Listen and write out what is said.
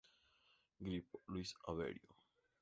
Grip: Luis Aveiro.